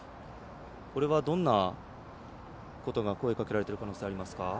どんなことが声かけられている可能性がありますか？